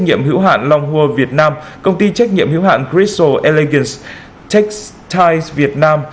nhiệm hữu hạn long hua việt nam công ty trách nhiệm hữu hạn crystal elegance textiles việt nam